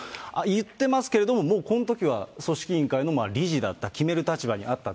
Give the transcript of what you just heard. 言ってますけれども、もうこのときは組織委員会の理事だった、決める立場にあった。